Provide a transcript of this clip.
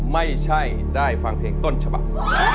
ไม่ใช่ได้ฟังเพลงต้นฉบับ